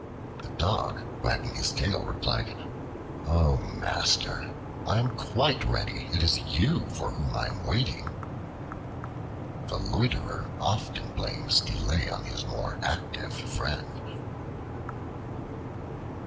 The Dog, wagging his tail, replied: "O, master! I am quite ready; it is you for whom I am waiting." The loiterer often blames delay on his more active friend.